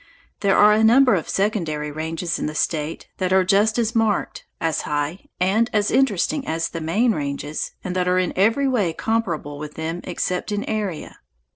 There are a number of secondary ranges in the State that are just as marked, as high, and as interesting as the main ranges, and that are in every way comparable with them except in area.